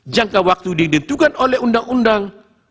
jangka waktu didetekan oleh undang undang